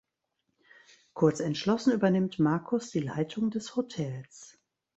Kurz entschlossen übernimmt Markus die Leitung des Hotels.